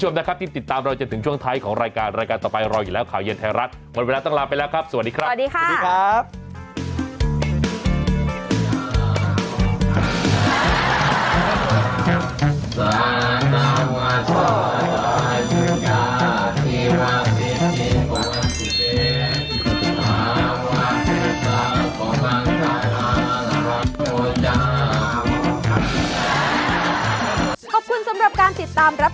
เราต้องลาไปแล้วครับสวัสดีครับ